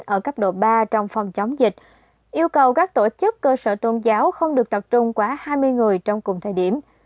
ở cấp độ ba trong phòng chống dịch yêu cầu các tổ chức cơ sở tôn giáo không được tập trung quá hai mươi người trong cùng thời điểm